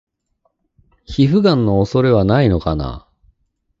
皮膚ガンの恐れはないのかな？